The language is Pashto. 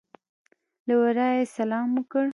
له ورایه یې سلام وکړ.